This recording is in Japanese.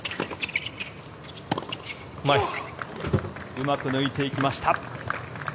うまく抜いていきました。